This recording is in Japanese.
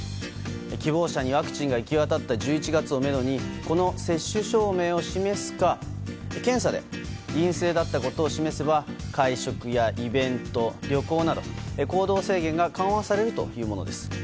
希望者にワクチンが行き渡った１１月をめどにこの接種証明を示すか検査で陰性だったことを示せば会食やイベント、旅行など行動制限が緩和されるというものです。